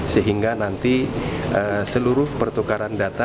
sehingga nanti seluruh pertukaran data